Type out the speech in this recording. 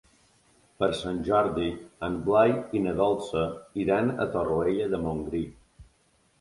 Per Sant Jordi en Blai i na Dolça iran a Torroella de Montgrí.